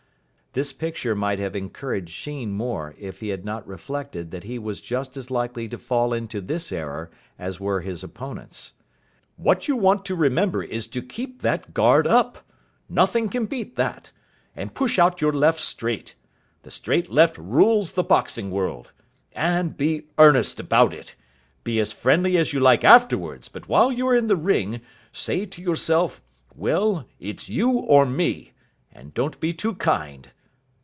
This picture might have encouraged Sheen more if he had not reflected that he was just as likely to fall into this error as were his opponents. "What you want to remember is to keep that guard up. Nothing can beat that. And push out your left straight. The straight left rules the boxing world. And be earnest about it. Be as friendly as you like afterwards, but while you're in the ring say to yourself, 'Well, it's you or me', and don't be too kind."